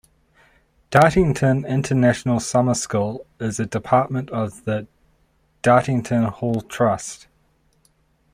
Dartington International Summer School is a department of The Dartington Hall Trust.